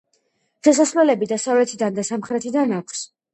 შესასვლელები დასავლეთიდან და სამხრეთიდან აქვს.